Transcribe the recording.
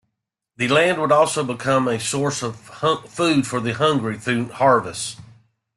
The land would also become a source of food for the hungry through harvests.